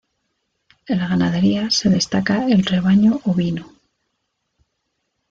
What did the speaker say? En la ganadería, se destaca el rebaño ovino.